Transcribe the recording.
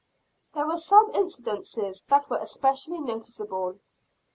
There were some incidents that were especially noticeable.